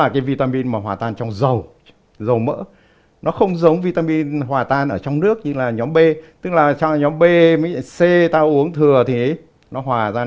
các nguồn vitamin hòa tan trong nước như b c và thừa thả ra